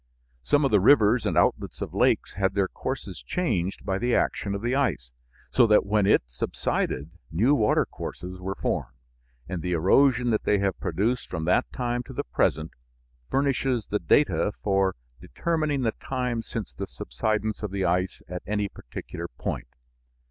Some of the rivers and outlets of lakes had their courses changed by the action of the ice, so that when it subsided new water courses were formed, and the erosion that they have produced from that time to the present furnishes the data for determining the time since the subsidence of the ice at any particular point.